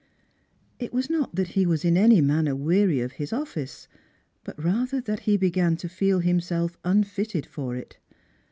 It was not that he was in any manner weary of his office, but rather that he began to feel himself unfitted for it.